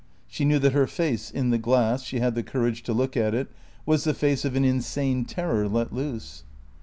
She knew that her face in the glass (she had the courage to look at it) was the face of an insane terror let loose.